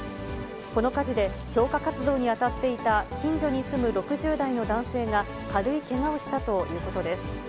この火事で、消火活動に当たっていた近所に住む６０代の男性が軽いけがをしたということです。